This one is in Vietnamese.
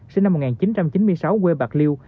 sinh năm một nghìn chín trăm chín mươi sáu quê bạc liêu